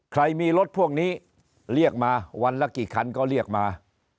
ใครมีรถพวกนี้เรียกมาวันละกี่คันก็เรียกมา